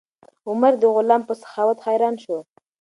عمر د غلام په سخاوت حیران شو.